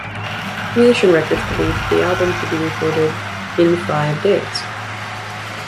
Creation Records believed that the album could be recorded "in five days".